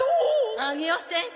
上尾先生